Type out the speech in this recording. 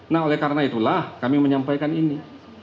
nah oleh karena itulah kami menyampaikan ini